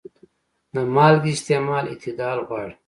د مالګې استعمال اعتدال غواړي.